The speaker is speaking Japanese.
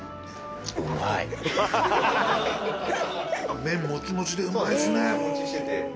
麺もちもちでうまいですね。